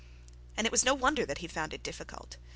And it was no wonder that he found it difficult.